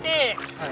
はい。